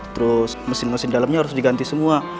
terus mesin mesin dalamnya harus diganti semua